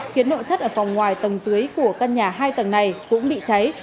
khiến nội thất ở phòng ngoài tầng dưới của căn nhà hai tầng này cũng bị cháy